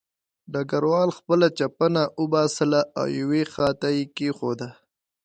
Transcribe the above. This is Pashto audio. ډګروال خپله چپنه وباسله او یوې خوا ته یې کېښوده